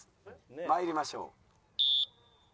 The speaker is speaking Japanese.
参りましょう。